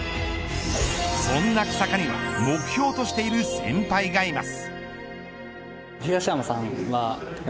そんな草加には目標としている先輩がいます。